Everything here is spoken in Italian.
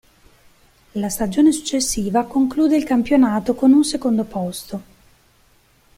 La stagione successiva conclude il campionato con un secondo posto.